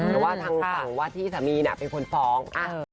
แต่ว่าทางฝั่งว่าที่สามีเป็นคนฟ้อง